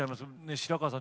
白川さん